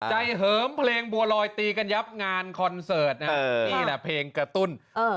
เหิมเพลงบัวลอยตีกันยับงานคอนเสิร์ตนะฮะนี่แหละเพลงกระตุ้น